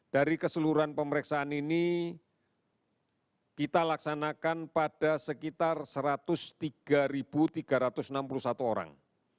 dari keseluruhan pemeriksaan ini kita laksanakan pada sekitar satu ratus tiga tiga ratus enam puluh satu orang